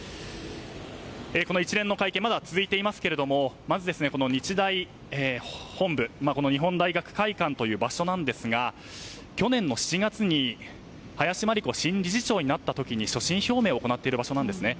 この一連の会見はまだ続いていますがまず日大本部日本大学会館という場所ですが去年の７月に林真理子新理事長になった時に所信表明を行っている場所なんですね。